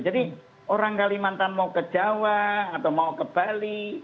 jadi orang kalimantan mau ke jawa atau mau ke bali